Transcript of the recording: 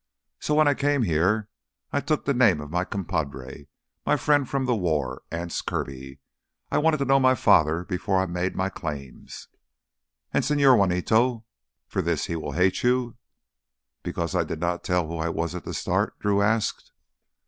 So, when I came here I took the name of my compadre, my friend from the war, Anse Kirby. I wanted to know my father before I made my claims." "And Señor Juanito—for this he will hate you!" "Because I did not tell who I was at the start?" Drew asked.